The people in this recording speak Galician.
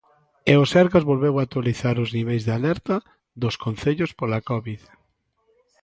E o Sergas volveu actualizar os niveis de alerta dos concellos pola Covid.